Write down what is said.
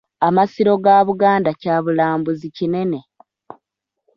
Amasiro ga Buganda kya bulambuzi kinene.